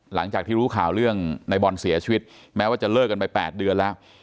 หลังจากที่รู้ข่าวเรื่องในบอลเสียชีวิตแม้ว่าจะเลิกกันไป๘เดือนแล้ว